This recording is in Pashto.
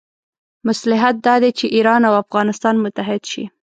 مصلحت دا دی چې ایران او افغانستان متحد شي.